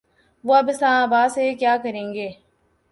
وہ اب اسلام آباد سے کیا کریں گے۔